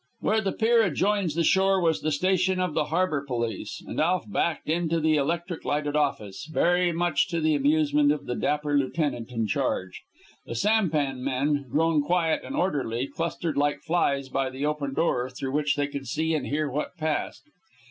Where the pier adjoins the shore was the station of the harbor police, and Alf backed into the electric lighted office, very much to the amusement of the dapper lieutenant in charge. The sampan men, grown quiet and orderly, clustered like flies by the open door, through which they could see and hear what passed.